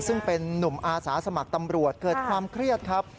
ซึ่งเป็นนุ่มอาสาสมัครตำรวจเกิดความเครียดครับ